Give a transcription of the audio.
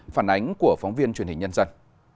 phản ánh của phóng viên truyền hình nhân dân